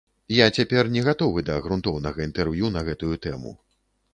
Я цяпер не гатовы да грунтоўнага інтэрв'ю на гэтую тэму.